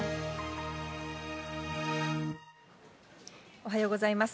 おはようございます。